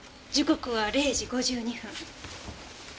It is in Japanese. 時刻は０時５２分。